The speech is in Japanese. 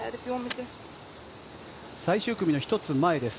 最終組の１つ前です。